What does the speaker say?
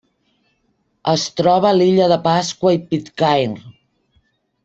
Es troba a l'Illa de Pasqua i a Pitcairn.